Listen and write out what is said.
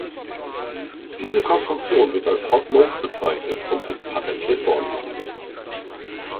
Diese Konstruktion wird als „Hot Nose“ bezeichnet und ist patentiert worden.